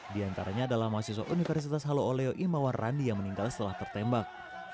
di antaranya adalah mahasiswa universitas halo oleo imawar randi yang meninggal setelah tertembak